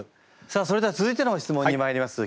さあそれでは続いての質問にまいります。